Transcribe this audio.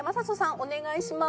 お願いします。